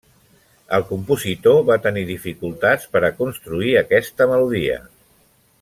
El compositor va tenir dificultats per a construir aquesta melodia.